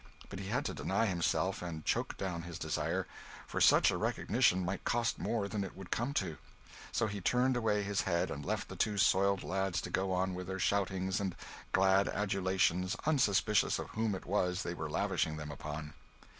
But he had to deny himself, and choke down his desire, for such a recognition might cost more than it would come to: so he turned away his head, and left the two soiled lads to go on with their shoutings and glad adulations, unsuspicious of whom it was they were lavishing them upon.